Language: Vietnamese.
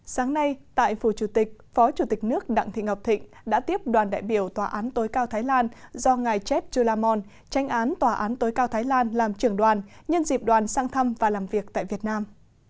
sáng nay tại phủ chủ tịch phó chủ tịch nước đặng thị ngọc thịnh đã tiếp đoàn đại biểu tòa án tối cao thái lan do ngài jev chulamon tránh án tòa án tối cao thái lan làm trưởng đoàn nhân dịp đoàn sang thăm và làm việc tại việt nam